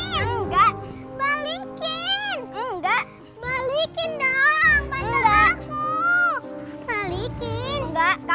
jalan bang m kro perfect